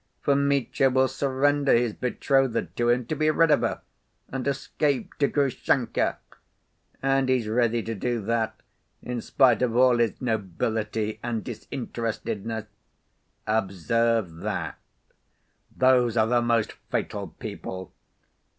For Mitya will surrender his betrothed to him to be rid of her, and escape to Grushenka. And he's ready to do that in spite of all his nobility and disinterestedness. Observe that. Those are the most fatal people!